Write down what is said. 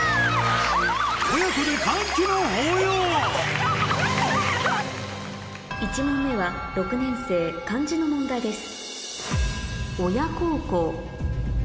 親子で１問目は６年生漢字の問題です